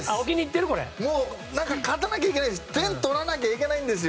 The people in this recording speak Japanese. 勝たなきゃいけないんです。